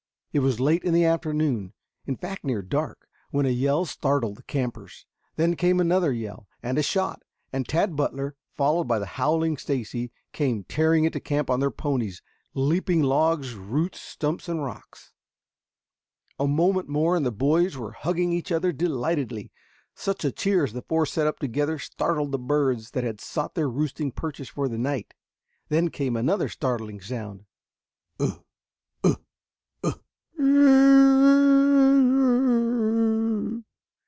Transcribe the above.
It was late in the afternoon, in fact near dark, when a yell startled the campers. Then came another yell, and a shot, and Tad Butler, followed by the howling Stacy, came tearing into camp on their ponies, leaping logs, roots, stumps and rocks. A moment more and the boys were hugging each other delightedly. Such a cheer as the four set up together startled the birds that had sought their roosting perches for the night. Then came another startling sound.